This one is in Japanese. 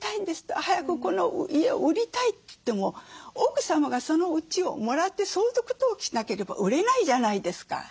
早くこの家を売りたいといっても奥様がそのうちをもらって相続登記しなければ売れないじゃないですか。